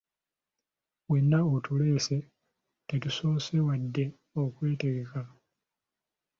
Wenna otuleese tetusoose wadde okwetegeka.